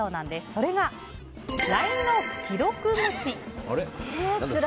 それがＬＩＮＥの既読無視。